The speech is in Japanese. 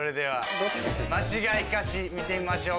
間違い歌詞見てみましょう